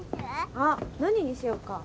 あっ何にしようか？